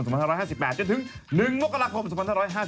จนถึง๑มกรกภพ๒๕๙